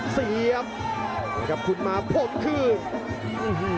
เสียบครับคุณมาพบคืน